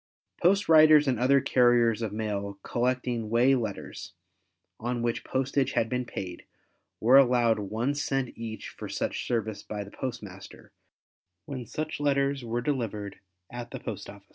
Post riders and other carriers of mail collecting way letters on which postage had been paid, were allowed 1 cent each for such service by the postmaster when such letters were delivered at the post office.